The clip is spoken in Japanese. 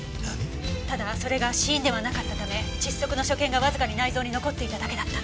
ただそれが死因ではなかったため窒息の所見がわずかに内臓に残っていただけだったんです。